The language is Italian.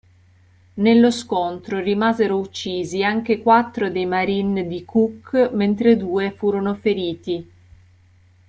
Nello scontro rimasero uccisi anche quattro dei marines di Cook mentre due furono feriti.